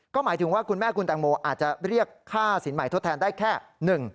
ก็หมายถึงว่าคุณแม่คุณแตงโมอาจจะเรียกค่าสินใหม่ทดแทนได้แค่